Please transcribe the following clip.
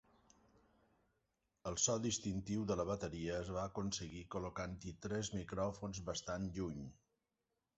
El so distintiu de la bateria es va aconseguir col·locant-hi tres micròfons bastant lluny.